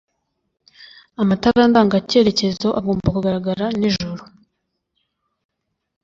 Amatara ndanga cyerekezo agomba kugaragara n'ijoro